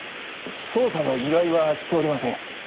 捜査の依頼はしておりません。